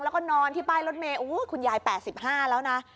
แล้วก็นอนที่ป้ายรถเมย์คุณยาย๘๕แล้วนะ